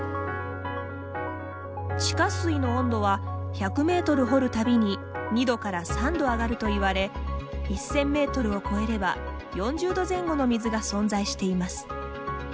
地下水の温度は１００メートル掘る度に２度から３度上がるといわれ１，０００メートルを超えれば４０度前後の水が存在しています。